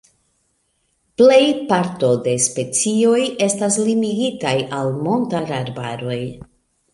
Plej parto de specioj estas limigitaj al montararbaroj.